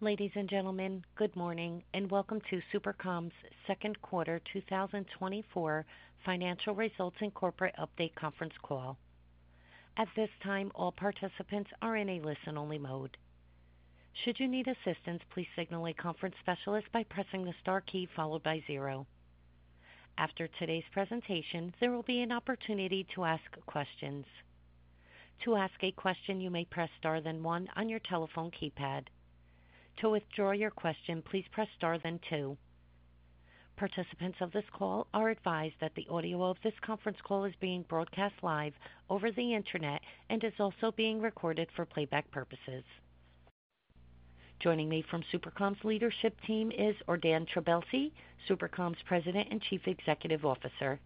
Ladies and gentlemen, good morning, and welcome to SuperCom's second quarter 2024 financial results and corporate update conference call. At this time, all participants are in a listen-only mode. Should you need assistance, please signal a conference specialist by pressing the star key followed by zero. After today's presentation, there will be an opportunity to ask questions. To ask a question, you may press Star then one on your telephone keypad. To withdraw your question, please press Star then two. Participants of this call are advised that the audio of this conference call is being broadcast live over the internet and is also being recorded for playback purposes. Joining me from SuperCom's leadership team is Ordan Trabelsi, SuperCom's President and Chief Executive Officer.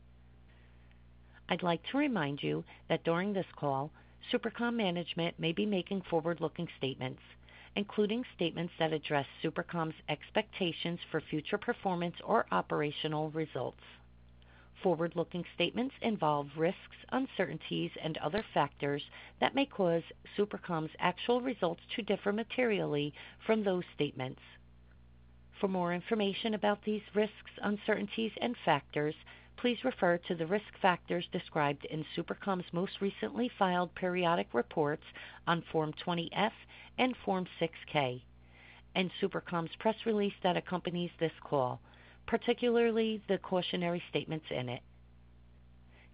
I'd like to remind you that during this call, SuperCom management may be making forward-looking statements, including statements that address SuperCom's expectations for future performance or operational results. Forward-looking statements involve risks, uncertainties, and other factors that may cause SuperCom's actual results to differ materially from those statements. For more information about these risks, uncertainties, and factors, please refer to the risk factors described in SuperCom's most recently filed periodic reports on Form 20-F and Form 6-K, and SuperCom's press release that accompanies this call, particularly the cautionary statements in it.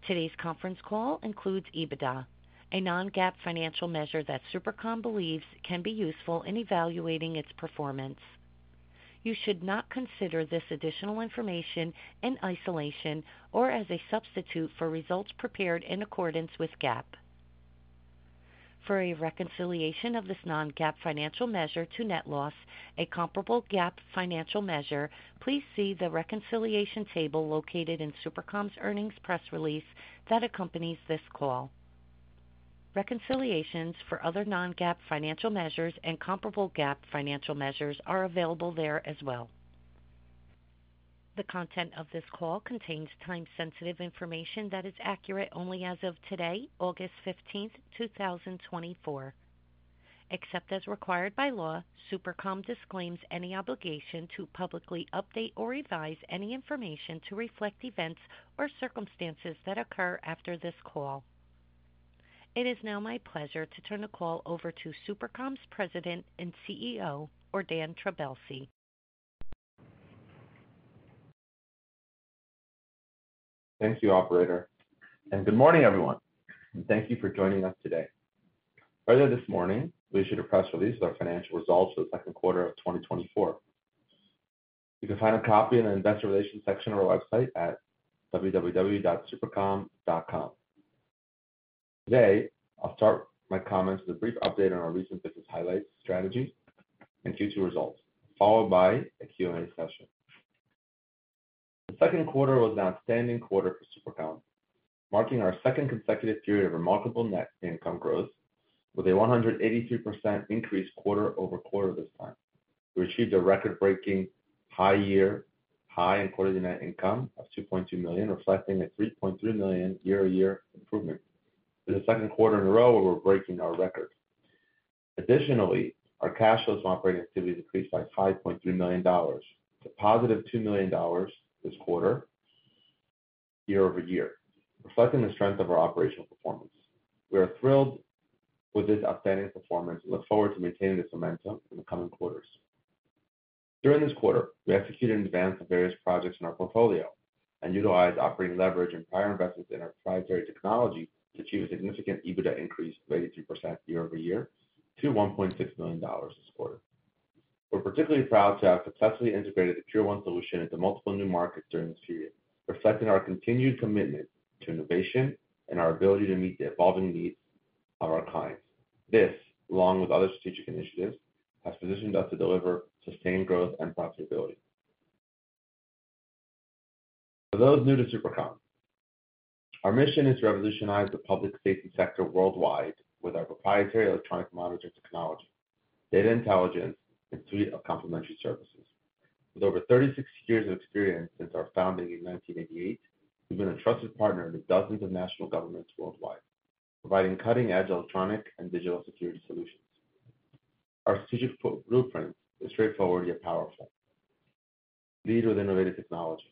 Today's conference call includes EBITDA, a non-GAAP financial measure that SuperCom believes can be useful in evaluating its performance. You should not consider this additional information in isolation or as a substitute for results prepared in accordance with GAAP. For a reconciliation of this non-GAAP financial measure to net loss, a comparable GAAP financial measure, please see the reconciliation table located in SuperCom's earnings press release that accompanies this call. Reconciliations for other non-GAAP financial measures and comparable GAAP financial measures are available there as well. The content of this call contains time-sensitive information that is accurate only as of today, August fifteenth, two thousand and twenty-four. Except as required by law, SuperCom disclaims any obligation to publicly update or revise any information to reflect events or circumstances that occur after this call. It is now my pleasure to turn the call over to SuperCom's President and CEO, Ordan Trabelsi. Thank you, operator, and good morning, everyone, and thank you for joining us today. Earlier this morning, we issued a press release of our financial results for the second quarter of 2024. You can find a copy in the investor relations section of our website at www.supercom.com. Today, I'll start my comments with a brief update on our recent business highlights, strategy, and Q2 results, followed by a Q&A session. The second quarter was an outstanding quarter for SuperCom, marking our second consecutive period of remarkable net income growth with a 183% increase quarter-over-quarter this time. We achieved a record-breaking high year, high in quarterly net income of $2.2 million, reflecting a $3.3 million year-over-year improvement. This is the second quarter in a row where we're breaking our record. Additionally, our cash flows from operating activity decreased by $5.3 million to +$2 million this quarter, year-over-year, reflecting the strength of our operational performance. We are thrilled with this outstanding performance and look forward to maintaining this momentum in the coming quarters. During this quarter, we executed an advance of various projects in our portfolio and utilized operating leverage and prior investments in our proprietary technology to achieve a significant EBITDA increase of 83% year-over-year to $1.6 million this quarter. We're particularly proud to have successfully integrated the PureOne solution into multiple new markets during this period, reflecting our continued commitment to innovation and our ability to meet the evolving needs of our clients. This, along with other strategic initiatives, has positioned us to deliver sustained growth and profitability. For those new to SuperCom, our mission is to revolutionize the public safety sector worldwide with our proprietary electronic monitoring technology, data intelligence, and suite of complementary services. With over 36 years of experience since our founding in 1988, we've been a trusted partner to dozens of national governments worldwide, providing cutting-edge electronic and digital security solutions. Our strategic blueprint is straightforward yet powerful. Lead with innovative technology.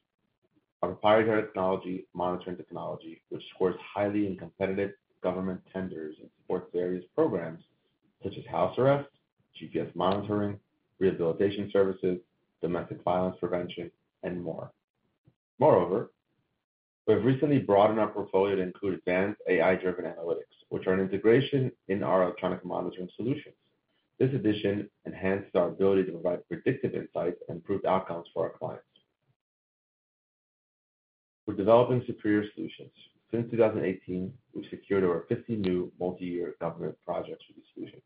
Our proprietary technology, monitoring technology, which scores highly in competitive government tenders and supports various programs such as house arrest, GPS monitoring, rehabilitation services, domestic violence prevention, and more. Moreover, we've recently broadened our portfolio to include advanced AI-driven analytics, which are an integration in our electronic monitoring solutions. This addition enhances our ability to provide predictive insights and improved outcomes for our clients. We're developing superior solutions. Since 2018, we've secured over 50 new multi-year government projects for these solutions.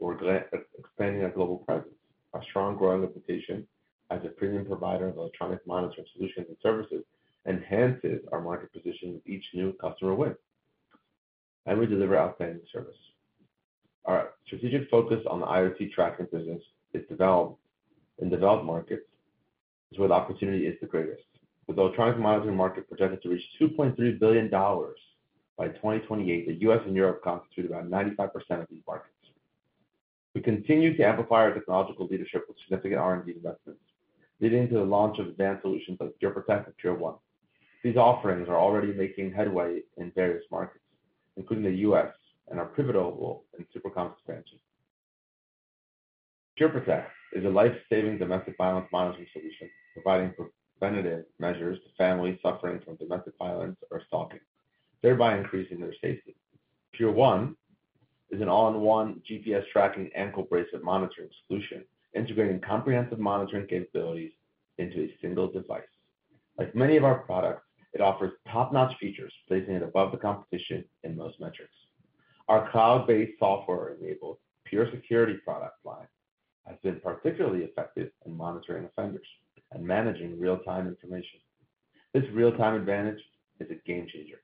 We're expanding our global presence. Our strong, growing reputation as a premium provider of electronic monitoring solutions and services enhances our market position with each new customer win, and we deliver outstanding service. Our strategic focus on the IoT tracking business is where the opportunity is the greatest. With the electronic monitoring market projected to reach $2.3 billion by 2028, the U.S. and Europe constitute around 95% of these markets. We continue to amplify our technological leadership with significant R&D investments, leading to the launch of advanced solutions like PureProtect and PureOne. These offerings are already making headway in various markets, including the U.S., and are pivotal in SuperCom's expansion. PureProtect is a life-saving domestic violence monitoring solution, providing preventative measures to families suffering from domestic violence or stalking, thereby increasing their safety. PureOne is an all-in-one GPS tracking ankle bracelet monitoring solution, integrating comprehensive monitoring capabilities into a single device. Like many of our products, it offers top-notch features, placing it above the competition in most metrics. Our cloud-based software-enabled PureSecurity product line has been particularly effective in monitoring offenders and managing real-time information. This real-time advantage is a game changer,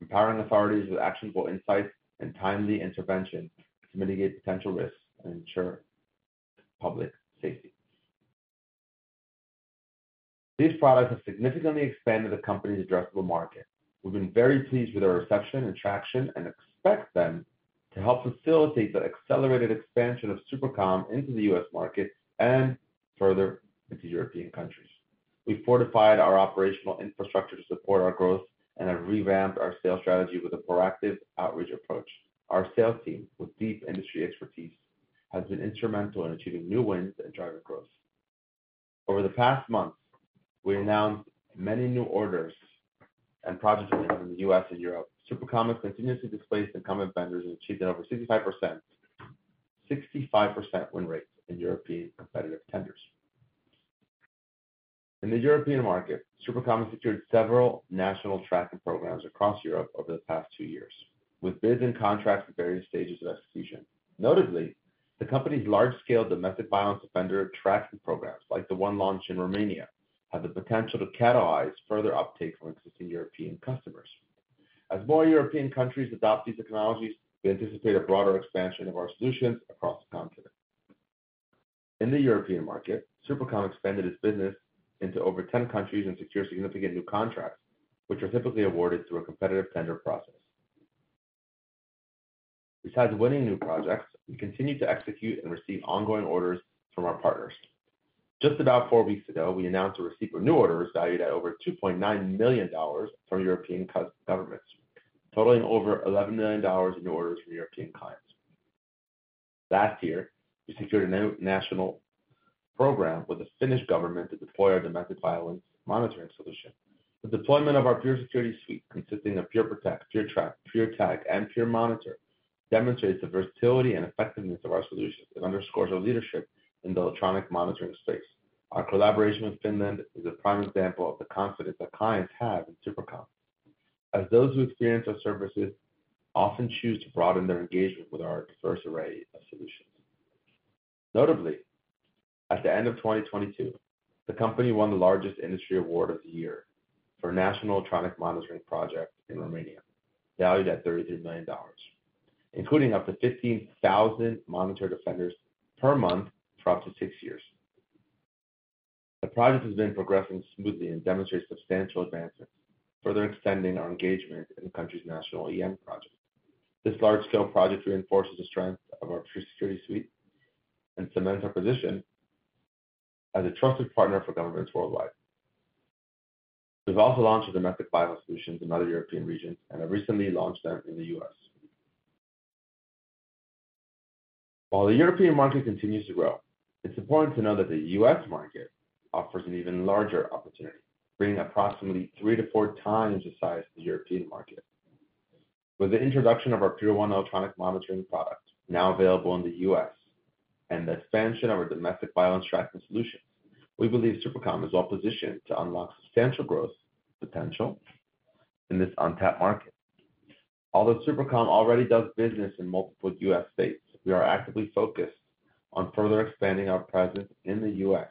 empowering authorities with actionable insights and timely intervention to mitigate potential risks and ensure public safety. These products have significantly expanded the company's addressable market. We've been very pleased with their reception and traction, and expect them to help facilitate the accelerated expansion of SuperCom into the U.S. market and further into European countries. We've fortified our operational infrastructure to support our growth and have revamped our sales strategy with a proactive outreach approach. Our sales team, with deep industry expertise, has been instrumental in achieving new wins and driving growth. Over the past months, we announced many new orders and projects in the U.S. and Europe. SuperCom has continuously displaced incumbent vendors and achieved an over 65%, 65% win rate in European competitive tenders. In the European market, SuperCom has secured several national tracking programs across Europe over the past two years, with bids and contracts at various stages of execution. Notably, the company's large-scale domestic violence offender tracking programs, like the one launched in Romania, have the potential to catalyze further uptake from existing European customers. As more European countries adopt these technologies, we anticipate a broader expansion of our solutions across the continent. In the European market, SuperCom expanded its business into over 10 countries and secured significant new contracts, which are typically awarded through a competitive tender process. Besides winning new projects, we continue to execute and receive ongoing orders from our partners. Just about four weeks ago, we announced the receipt of new orders valued at over $2.9 million from European governments, totaling over $11 million in new orders from European clients. Last year, we secured a new national program with the Finnish government to deploy our domestic violence monitoring solution. The deployment of our PureSecurity Suite, consisting of PureProtect, PureTrack, PureTag, and PureMonitor, demonstrates the versatility and effectiveness of our solutions and underscores our leadership in the electronic monitoring space. Our collaboration with Finland is a prime example of the confidence that clients have in SuperCom, as those who experience our services often choose to broaden their engagement with our diverse array of solutions. Notably, at the end of 2022, the company won the largest industry award of the year for a national electronic monitoring project in Romania, valued at $33 million, including up to 15,000 monitored offenders per month throughout the six years. The project has been progressing smoothly and demonstrates substantial advancements, further extending our engagement in the country's national EM project. This large-scale project reinforces the strength of our PureSecurity Suite and cements our position as a trusted partner for governments worldwide. We've also launched domestic violence solutions in other European regions and have recently launched them in the U.S. While the European market continues to grow, it's important to note that the U.S. market offers an even larger opportunity, bringing approximately three to four times the size of the European market. With the introduction of our PureOne electronic monitoring product, now available in the U.S., and the expansion of our domestic violence tracking solution, we believe SuperCom is well positioned to unlock substantial growth potential in this untapped market. Although SuperCom already does business in multiple U.S. states, we are actively focused on further expanding our presence in the U.S.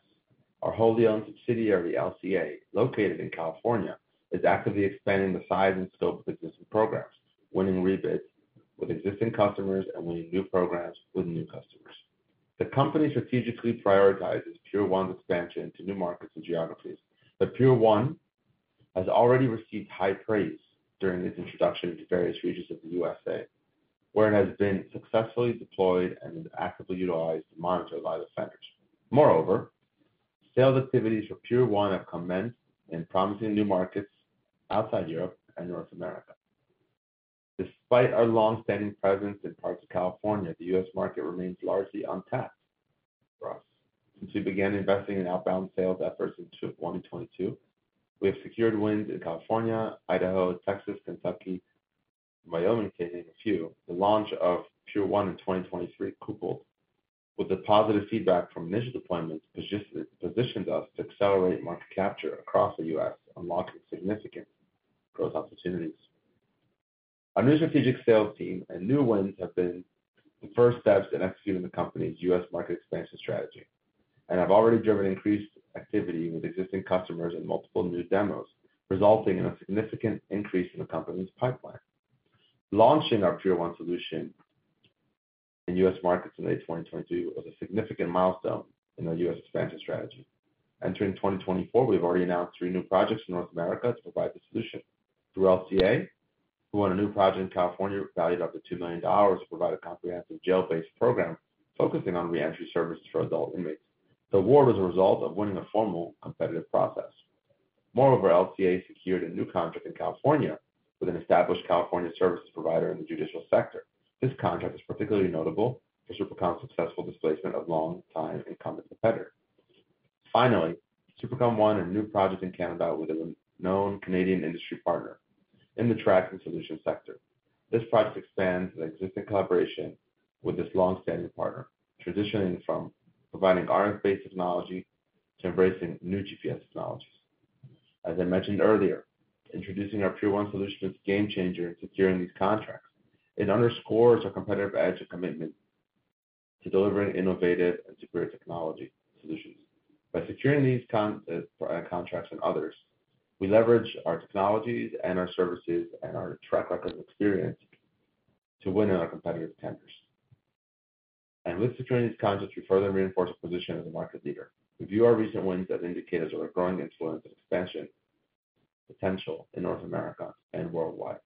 Our wholly owned subsidiary, LCA, located in California, is actively expanding the size and scope of existing programs, winning rebids with existing customers and winning new programs with new customers. The company strategically prioritizes PureOne's expansion to new markets and geographies, but PureOne has already received high praise during its introduction to various regions of the USA, where it has been successfully deployed and actively utilized to monitor violent offenders. Moreover, sales activities for PureOne have commenced in promising new markets outside Europe and North America. Despite our long-standing presence in parts of California, the U.S. market remains largely untapped for us. Since we began investing in outbound sales efforts in 2022, we have secured wins in California, Idaho, Texas, Kentucky, Wyoming, to name a few. The launch of PureOne in 2023, coupled with the positive feedback from initial deployments, positions us to accelerate market capture across the U.S., unlocking significant growth opportunities. Our new strategic sales team and new wins have been the first steps in executing the company's U.S. market expansion strategy and have already driven increased activity with existing customers and multiple new demos, resulting in a significant increase in the company's pipeline. Launching our PureOne solution in U.S. markets in late 2022 was a significant milestone in our U.S. expansion strategy. Entering 2024, we've already announced three new projects in North America to provide the solution. Through LCA, we won a new project in California valued up to $2 million to provide a comprehensive jail-based program focusing on reentry services for adult inmates. The award was a result of winning a formal competitive process. Moreover, LCA secured a new contract in California with an established California services provider in the judicial sector. This contract is particularly notable for SuperCom's successful displacement of long-time incumbent competitor. Finally, SuperCom won a new project in Canada with a known Canadian industry partner in the tracking solution sector. This project expands the existing collaboration with this long-standing partner, transitioning from providing RF-based technology to embracing new GPS technologies. As I mentioned earlier, introducing our PureOne solution is a game changer in securing these contracts. It underscores our competitive edge and commitment to delivering innovative and superior technology solutions. By securing these contracts and others, we leverage our technologies and our services and our track record of experience to win in our competitive tenders. And with securing these contracts, we further reinforce our position as a market leader. We view our recent wins as indicators of our growing influence and expansion potential in North America and worldwide.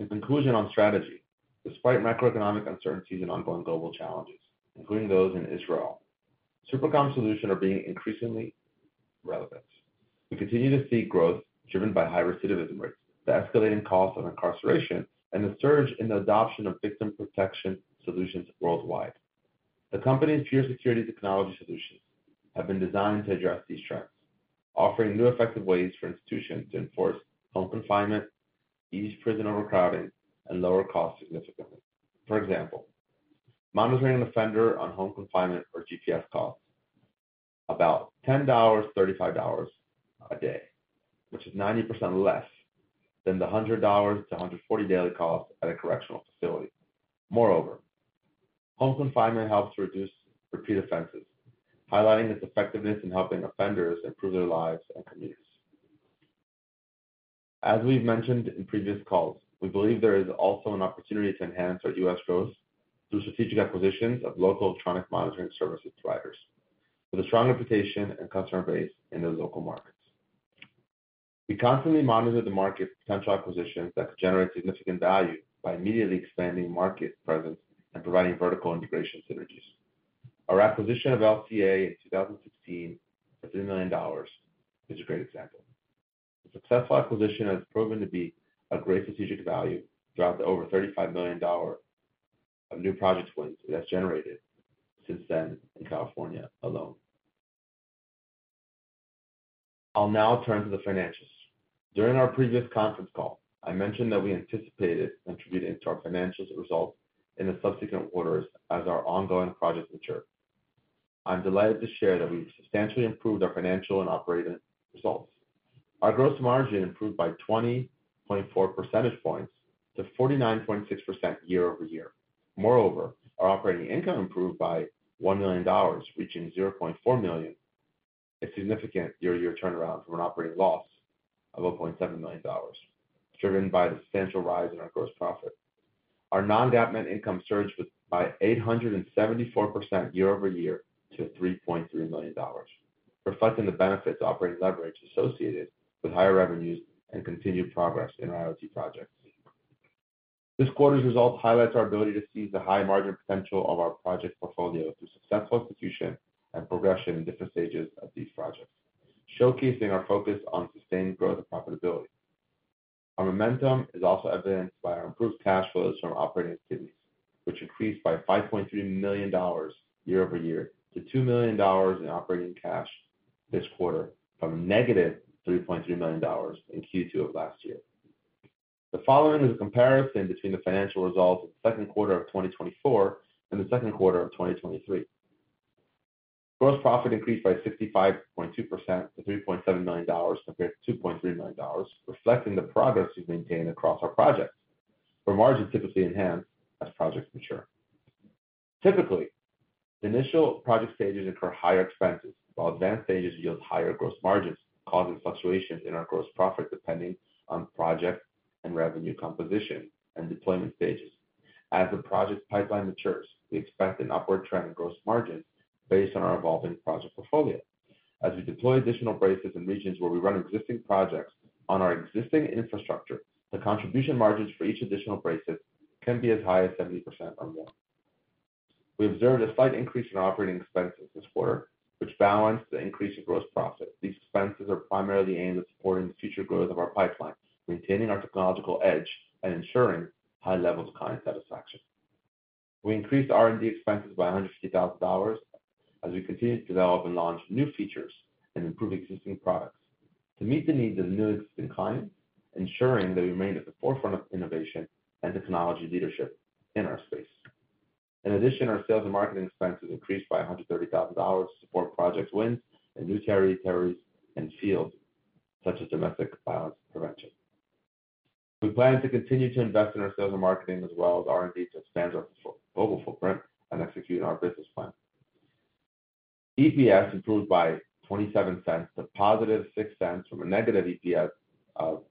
In conclusion on strategy, despite macroeconomic uncertainties and ongoing global challenges, including those in Israel, SuperCom solutions are being increasingly relevant. We continue to see growth driven by high recidivism rates, the escalating costs of incarceration, and the surge in the adoption of victim protection solutions worldwide. The company's PureSecurity technology solutions have been designed to address these trends, offering new effective ways for institutions to enforce home confinement, ease prison overcrowding, and lower costs significantly. For example, monitoring an offender on home confinement or GPS costs about $10-$35 a day, which is 90% less than the $100-$140 daily cost at a correctional facility. Moreover, home confinement helps reduce repeat offenses, highlighting its effectiveness in helping offenders improve their lives and communities. As we've mentioned in previous calls, we believe there is also an opportunity to enhance our U.S. growth through strategic acquisitions of local electronic monitoring services providers with a strong reputation and customer base in those local markets. We constantly monitor the market for potential acquisitions that could generate significant value by immediately expanding market presence and providing vertical integration synergies. Our acquisition of LCA in 2016 for $3 million is a great example. The successful acquisition has proven to be of great strategic value throughout the over $35 million of new project wins that's generated since then in California alone. I'll now turn to the financials. During our previous conference call, I mentioned that we anticipated contributing to our financials results in the subsequent quarters as our ongoing projects mature. I'm delighted to share that we've substantially improved our financial and operating results. Our gross margin improved by 20.4 percentage points to 49.6% year-over-year. Moreover, our operating income improved by $1 million, reaching $0.4 million, a significant year-over-year turnaround from an operating loss of $1.7 million, driven by the substantial rise in our gross profit. Our non-GAAP net income surged by 874% year-over-year to $3.3 million, reflecting the benefits of operating leverage associated with higher revenues and continued progress in our IoT projects. This quarter's results highlights our ability to seize the high margin potential of our project portfolio through successful execution and progression in different stages of these projects, showcasing our focus on sustained growth and profitability. Our momentum is also evidenced by our improved cash flows from operating activities, which increased by $5.3 million year over year to $2 million in operating cash this quarter from -$3.3 million in Q2 of last year. The following is a comparison between the financial results of the second quarter of 2024 and the second quarter of 2023. Gross profit increased by 65.2% to $3.7 million, compared to $2.3 million, reflecting the progress we've maintained across our projects, where margins typically enhance as projects mature. Typically, initial project stages incur higher expenses, while advanced stages yield higher gross margins, causing fluctuations in our gross profit depending on project and revenue composition and deployment stages. As the project pipeline matures, we expect an upward trend in gross margin based on our evolving project portfolio. As we deploy additional braces in regions where we run existing projects on our existing infrastructure, the contribution margins for each additional braces can be as high as 70% or more. We observed a slight increase in operating expenses this quarter, which balanced the increase in gross profit. These expenses are primarily aimed at supporting the future growth of our pipeline, maintaining our technological edge and ensuring high levels of client satisfaction. We increased R&D expenses by $150,000 as we continue to develop and launch new features and improve existing products to meet the needs of new existing clients, ensuring that we remain at the forefront of innovation and technology leadership in our space. In addition, our sales and marketing expenses increased by $130,000 to support project wins in new territories and fields such as domestic violence prevention. We plan to continue to invest in our sales and marketing as well as R&D to expand our global footprint and execute on our business plan. EPS improved by $0.27 to +$0.06 from a negative EPS of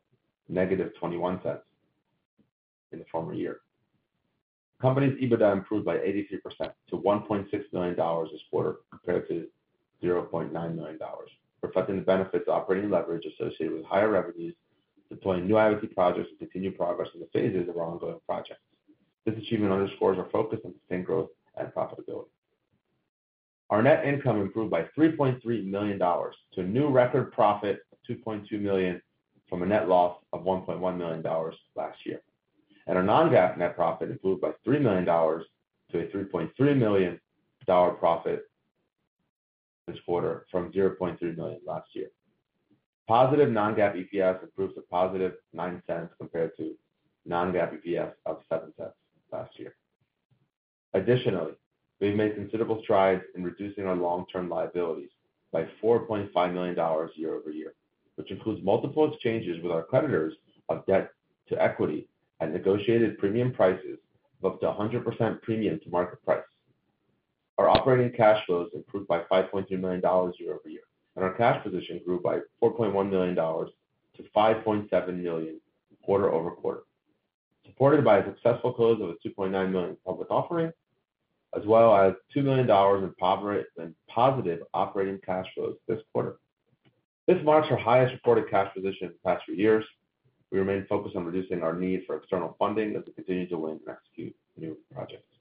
-$0.21 in the former year. The company's EBITDA improved by 83% to $1.6 million this quarter, compared to $0.9 million, reflecting the benefits of operating leverage associated with higher revenues, deploying new IoT projects, and continued progress in the phases of our ongoing projects. This achievement underscores our focus on sustained growth and profitability. Our net income improved by $3.3 million to a new record profit of $2.2 million, from a net loss of $1.1 million last year. Our non-GAAP net profit improved by $3 million to a $3.3 million profit this quarter from $0.3 million last year. Positive non-GAAP EPS improves to positive $0.09 compared to non-GAAP EPS of $0.07 last year. Additionally, we've made considerable strides in reducing our long-term liabilities by $4.5 million year-over-year, which includes multiple exchanges with our creditors of debt to equity and negotiated premium prices of up to a 100% premium to market price. Our operating cash flows improved by $5.3 million year-over-year, and our cash position grew by $4.1 million to $5.7 million quarter-over-quarter, supported by a successful close of a $2.9 million public offering, as well as $2 million in positive operating cash flows this quarter. This marks our highest reported cash position in the past three years. We remain focused on reducing our need for external funding as we continue to win and execute new projects.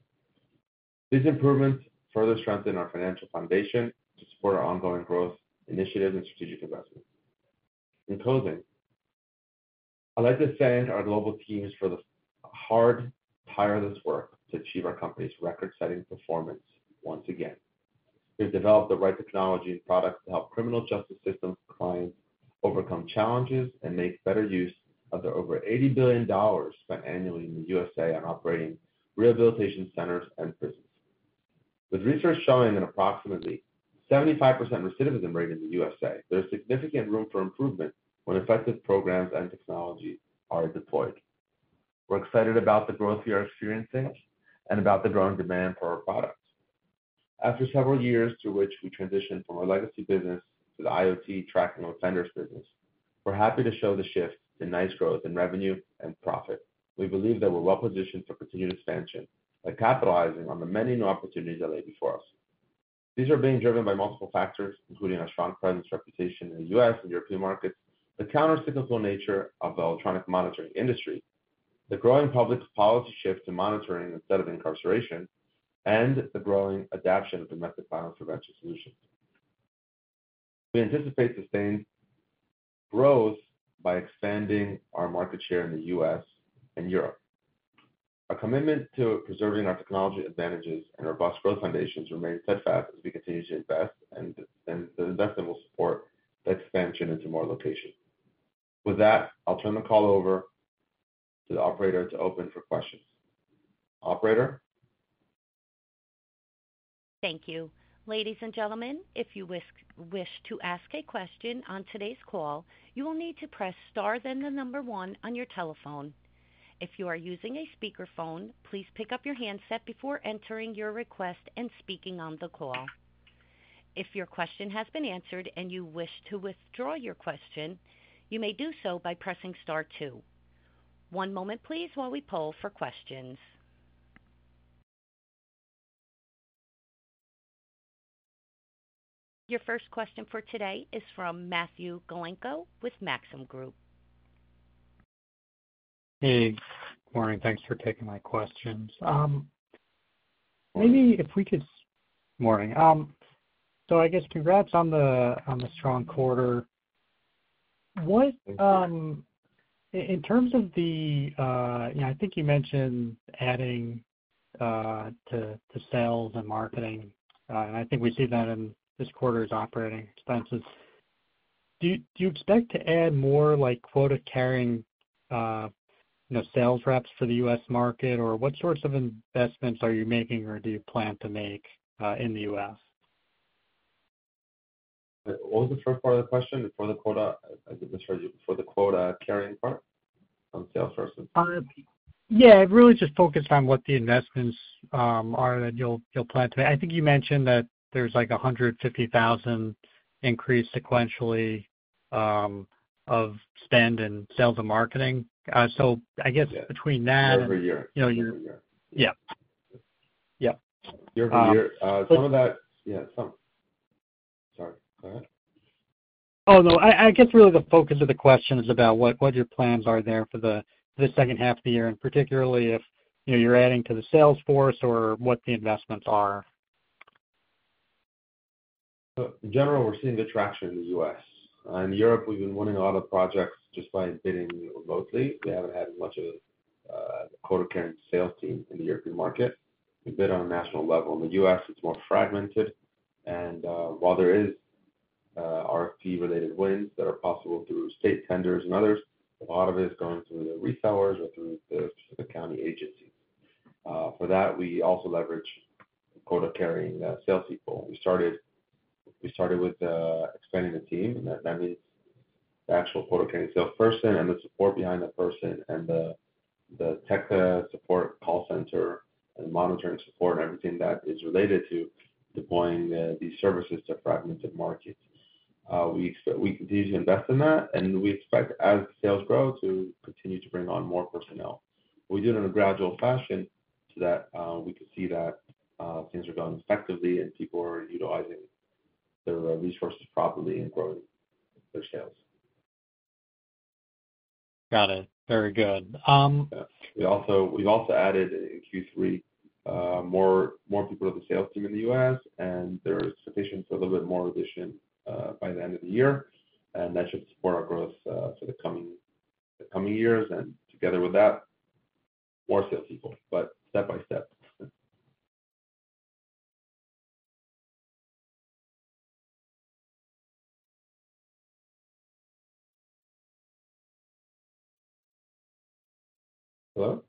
These improvements further strengthen our financial foundation to support our ongoing growth initiatives and strategic investments. In closing, I'd like to thank our global teams for the hard, tireless work to achieve our company's record-setting performance once again. We've developed the right technology and products to help criminal justice systems clients overcome challenges and make better use of the over $80 billion spent annually in the USA on operating rehabilitation centers and prisons. With research showing an approximately 75% recidivism rate in the USA, there's significant room for improvement when effective programs and technology are deployed. We're excited about the growth we are experiencing and about the growing demand for our products. After several years to which we transitioned from our legacy business to the IoT tracking offenders business, we're happy to show the shift in nice growth in revenue and profit. We believe that we're well positioned for continued expansion by capitalizing on the many new opportunities that lay before us. These are being driven by multiple factors, including our strong presence, reputation in the U.S. and European markets, the countercyclical nature of the electronic monitoring industry, the growing public's policy shift to monitoring instead of incarceration, and the growing adoption of domestic violence prevention solutions. We anticipate sustained growth by expanding our market share in the U.S. and Europe. Our commitment to preserving our technology advantages and robust growth foundations remain steadfast as we continue to invest, and the investment will support the expansion into more locations. With that, I'll turn the call over to the operator to open for questions. Operator? Thank you. Ladies and gentlemen, if you wish to ask a question on today's call, you will need to press star, then the number one on your telephone. If you are using a speakerphone, please pick up your handset before entering your request and speaking on the call. If your question has been answered and you wish to withdraw your question, you may do so by pressing star two. One moment please, while we poll for questions. Your first question for today is from Matthew Galinko with Maxim Group. Hey, good morning. Thanks for taking my questions. So I guess congrats on the strong quarter. What... Thank you. In terms of the, you know, I think you mentioned adding to sales and marketing, and I think we see that in this quarter's operating expenses. Do you expect to add more, like, quota-carrying, you know, sales reps for the U.S. market? Or what sorts of investments are you making or do you plan to make in the U.S.? What was the first part of the question? For the quota, I didn't hear you. For the quota-carrying part, sales forces? Yeah, it really just focused on what the investments are that you'll plan to make. I think you mentioned that there's, like, a $150,000 increase sequentially of spend in sales and marketing. So I guess- Yeah. between that and Year-over-year. You know, year. Yeah. Yeah. Year-over-year. Uh- Some of that... Yeah, some. Sorry, go ahead. Oh, no. I guess really the focus of the question is about what your plans are there for the second half of the year, and particularly if, you know, you're adding to the sales force or what the investments are. So in general, we're seeing the traction in the U.S. In Europe, we've been winning a lot of projects just by bidding remotely. We haven't had much of a quota-carrying sales team in the European market. We bid on a national level. In the U.S., it's more fragmented, and while there is RFP-related wins that are possible through state tenders and others, a lot of it is going through the resellers or through the specific county agencies. For that, we also leverage quota-carrying salespeople. We started with expanding the team, and that is the actual photo came. So first thing and the support behind the person and the tech support call center and monitoring support and everything that is related to deploying these services to fragmented markets. We continue to invest in that, and we expect as sales grow, to continue to bring on more personnel. We do it in a gradual fashion so that we can see that things are done effectively and people are utilizing their resources properly and growing their sales. Got it. Very good. Yeah. We also added in Q3 more people to the sales team in the U.S., and there is sufficient for a little bit more addition by the end of the year, and that should support our growth for the coming years, and together with that, more salespeople, but step by step. Hello?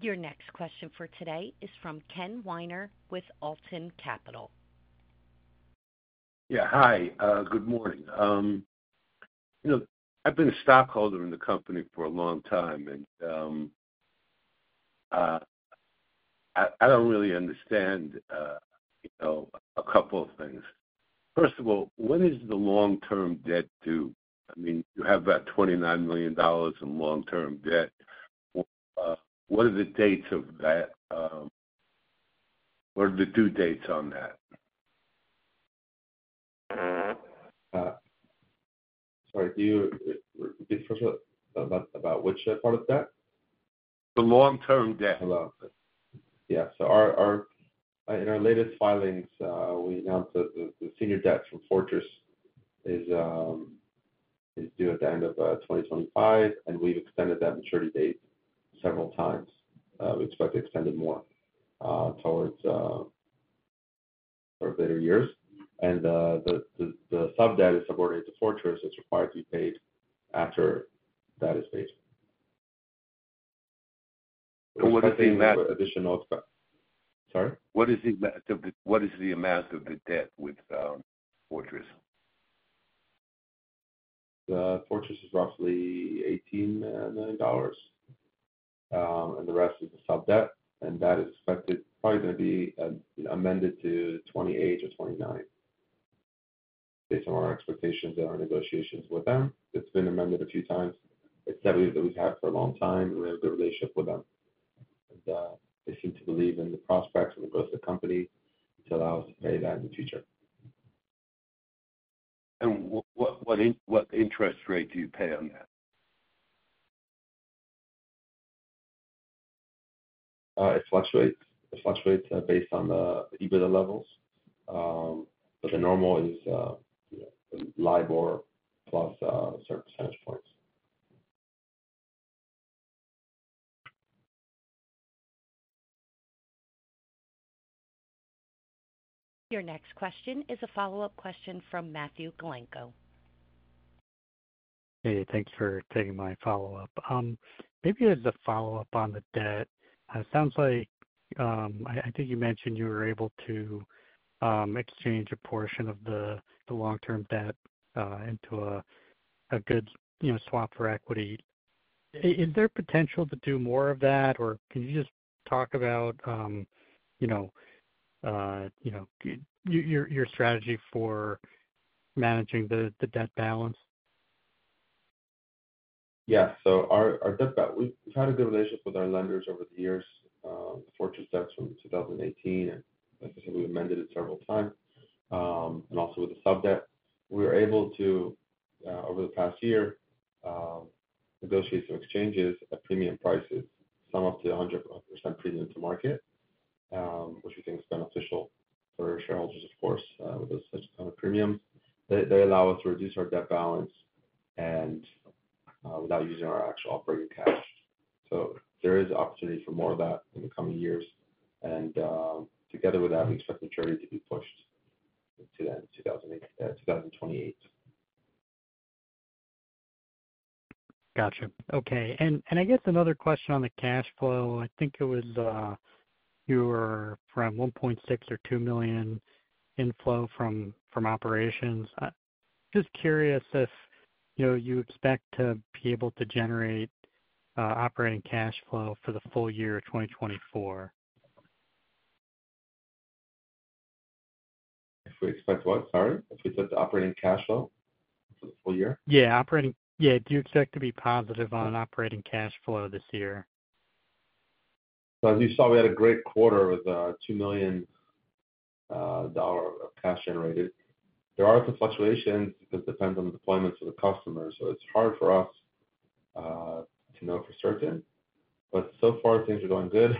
Your next question for today is from Ken Weiner with Alton Capital. Yeah, hi, good morning. You know, I've been a stockholder in the company for a long time, and, I don't really understand, you know, a couple of things. First of all, when is the long-term debt due? I mean, you have about $29 million in long-term debt. What are the dates of that? What are the due dates on that? Sorry, do you about which part of debt? The long-term debt. Hello. Yeah. So in our latest filings, we announced that the senior debt from Fortress is due at the end of 2025, and we've extended that maturity date several times. We expect to extend it more towards sort of later years. And the sub-debt is subordinate to Fortress, is required to be paid after that is paid. What is the amount- Additional stock. Sorry? What is the amount of the debt with Fortress? Fortress is roughly $18 million, and the rest is the sub-debt, and that is expected probably gonna be amended to $28 or $29. Based on our expectations and our negotiations with them, it's been amended a few times. It's debt that we've had for a long time, and we have a good relationship with them. They seem to believe in the prospects and the growth of the company to allow us to pay that in the future. What interest rate do you pay on that? It fluctuates. It fluctuates based on the EBITDA levels. But the normal is, you know, LIBOR plus certain percentage points. Your next question is a follow-up question from Matthew Galinko. Hey, thanks for taking my follow-up. Maybe as a follow-up on the debt, it sounds like, I think you mentioned you were able to exchange a portion of the long-term debt into a good, you know, swap for equity. Is there potential to do more of that? Or can you just talk about, you know, your strategy for managing the debt balance? Yeah. So our debt balance. We've had a good relationship with our lenders over the years, the Fortress debts from 2018, and like I said, we amended it several times. And also with the sub-debt, we were able to over the past year negotiate some exchanges at premium prices, some up to a 100% premium to market, which we think is beneficial for our shareholders, of course, with such kind of premium. They allow us to reduce our debt balance and without using our actual operating cash. So there is opportunity for more of that in the coming years, and together with that, we expect maturity to be pushed to the end of 2028. Gotcha. Okay. And I guess another question on the cash flow. I think it was $1.6 million or $2 million inflow from operations. Just curious if, you know, you expect to be able to generate operating cash flow for the full year 2024? If we expect what? Sorry. If we set the operating cash flow for the full year? Yeah, yeah, do you expect to be positive on operating cash flow this year? So as you saw, we had a great quarter with $2 million of cash generated. There are some fluctuations because it depends on the deployments of the customer, so it's hard for us to know for certain, but so far, things are going good.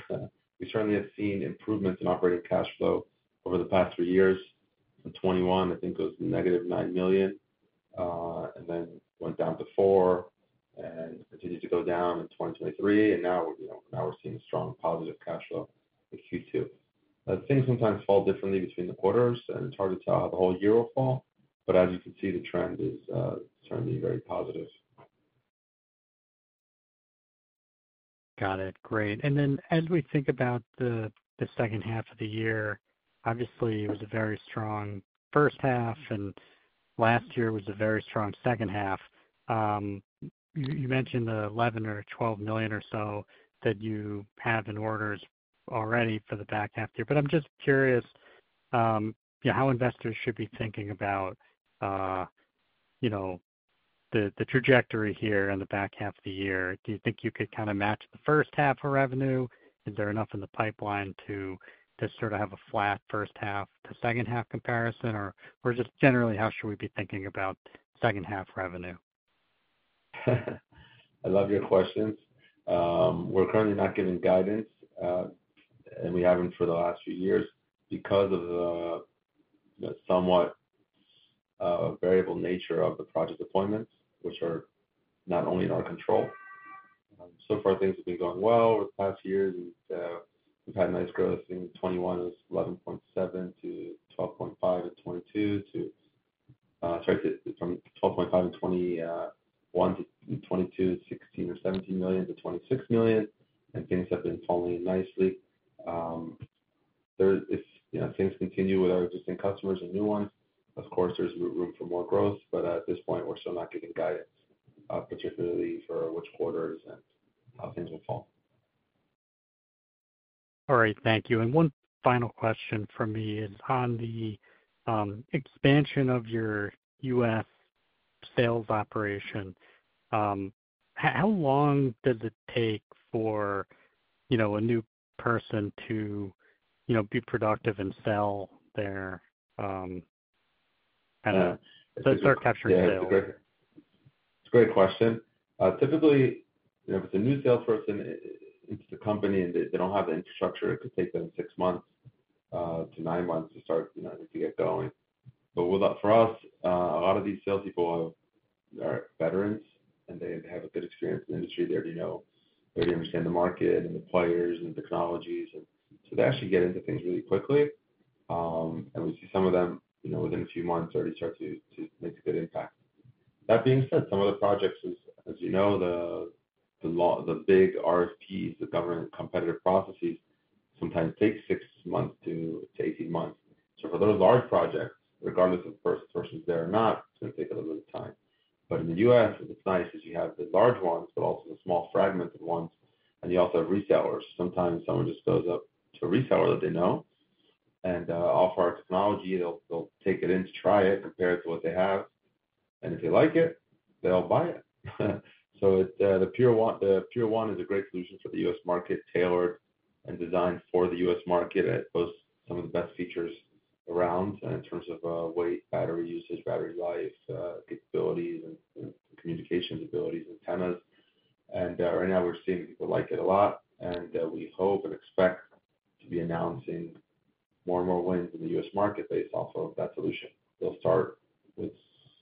We certainly have seen improvements in operating cash flow over the past three years. In 2021, I think it was -$9 million, and then went down to -$4 million and continued to go down in 2023, and now, you know, now we're seeing strong positive cash flow in Q2. But things sometimes fall differently between the quarters, and it's hard to tell how the whole year will fall, but as you can see, the trend is certainly very positive.... Got it. Great. And then as we think about the second half of the year, obviously, it was a very strong first half, and last year was a very strong second half. You mentioned the $11 million-$12 million or so that you have in orders already for the back half year. But I'm just curious, yeah, how investors should be thinking about, you know, the trajectory here in the back half of the year. Do you think you could kind of match the first half of revenue? Is there enough in the pipeline to sort of have a flat first half to second half comparison? Or just generally, how should we be thinking about second half revenue? I love your questions. We're currently not giving guidance, and we haven't for the last few years because of the somewhat variable nature of the project deployments, which are not only in our control. So far things have been going well over the past years, and we've had nice growth. In 2021, it was $11.7 million-$12.5 million. In 2022 from $12.5 million in 2021 to 2022 to $16 million or $17 million-$26 million, and things have been falling nicely. There if, you know, things continue with our existing customers and new ones, of course, there's room for more growth, but at this point, we're still not giving guidance, particularly for which quarters and how things will fall. All right, thank you. And one final question from me is on the expansion of your U.S. sales operation. How long does it take for, you know, a new person to, you know, be productive and sell their kind of- Yeah. to start capturing sales? It's a great question. Typically, you know, if it's a new salesperson into the company, and they, they don't have the infrastructure, it could take them 6 months to 9 months to start, you know, to get going. But with that, for us, a lot of these salespeople are, are veterans, and they have a good experience in the industry. They already know, they understand the market and the players and the technologies, and so they actually get into things really quickly. And we see some of them, you know, within a few months already start to, to make a good impact. That being said, some of the projects, as, as you know, the, the law, the big RFPs, the government competitive processes, sometimes take 6 months to 18 months. So for those large projects, regardless of person, persons there or not, it's gonna take a little bit of time. But in the U.S., it's nice because you have the large ones, but also the small fragmented ones, and you also have resellers. Sometimes someone just goes up to a reseller that they know and offer our technology. They'll take it in to try it, compare it to what they have, and if they like it, they'll buy it. So it, the PureOne, the PureOne is a great solution for the U.S. market, tailored and designed for the U.S. market. It boasts some of the best features around in terms of weight, battery usage, battery life, capabilities and communications abilities, antennas. Right now we're seeing people like it a lot, and we hope and expect to be announcing more and more wins in the U.S. market based off of that solution. We'll start with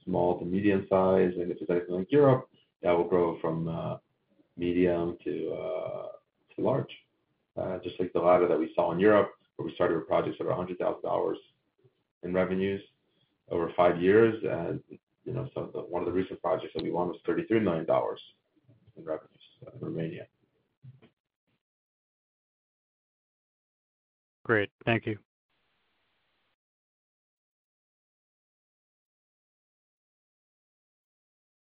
small to medium-sized, and it's like Europe, that will grow from medium to large. Just like the radar that we saw in Europe, where we started with projects of $100,000 in revenues over five years. You know, some of the one of the recent projects that we won was $33 million in revenues in Romania. Great. Thank you.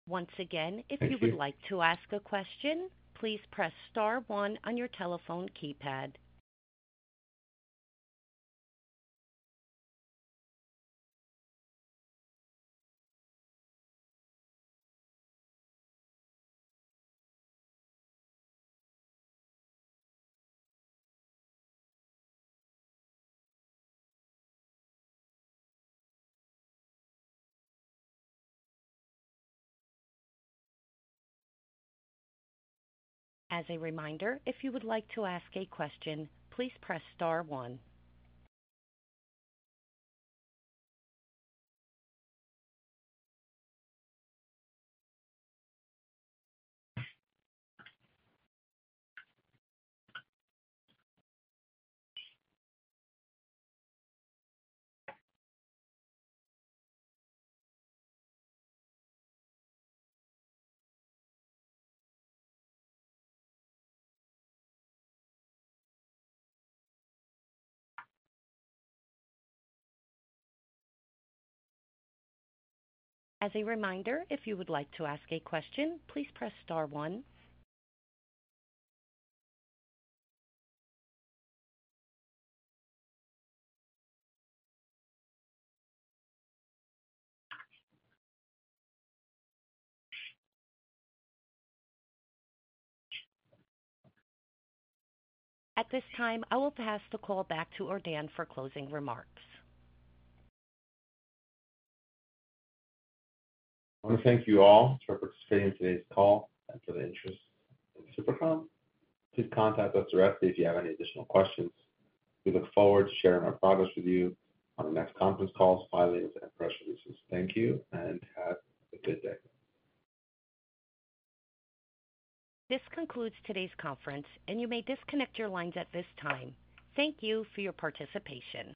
Once again. If you would like to ask a question, please press star one on your telephone keypad. As a reminder, if you would like to ask a question, please press star one. As a reminder, if you would like to ask a question, please press star one. At this time, I will pass the call back to Ordan for closing remarks. I want to thank you all for participating in today's call and for the interest in SuperCom. Please contact us directly if you have any additional questions. We look forward to sharing our progress with you on the next conference call, filings, and press releases. Thank you, and have a good day. This concludes today's conference, and you may disconnect your lines at this time. Thank you for your participation.